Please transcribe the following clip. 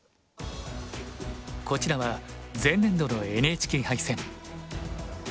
こちらは前年度のＮＨＫ杯戦。